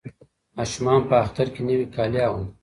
ماشومان په اختر کې نوي کالي اغوندي.